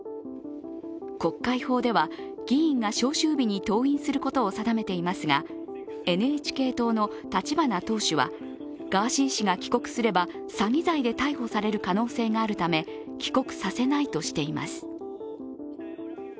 国会法では、議員が召集日に登院することを定めていますがＮＨＫ党の立花党首は、ガーシー氏が帰国すれば詐欺罪で逮捕される可能性があるため、帰国させないとしています。